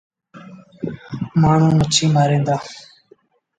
مآڻهوٚݩ مڇيٚ مآرين دآ۔